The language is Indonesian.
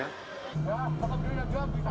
ya tetap berjalan